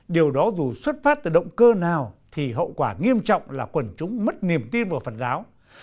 điều đó dù xuất phát từ động cơ nào thì hậu quả nghiêm trọng là quần chúng mất niềm tin vào phật giáo